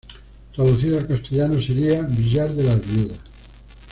Traducido al castellano sería "Villar de las Viudas".